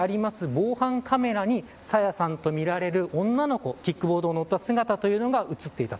防犯カメラに朝芽さんとみられる女の子がキックボードに乗った姿が映っていた。